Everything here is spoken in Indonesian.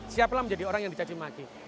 siap lah menjadi orang yang dicaci dimaki